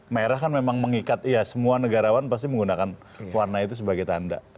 merah kan memang mengikat ya semua negarawan pasti menggunakan warna itu sebagai tanda